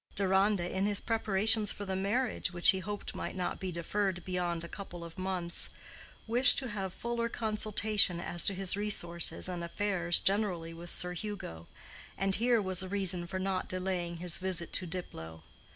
Deronda, in his preparations for the marriage, which he hoped might not be deferred beyond a couple of months, wished to have fuller consultation as to his resources and affairs generally with Sir Hugo, and here was a reason for not delaying his visit to Diplow.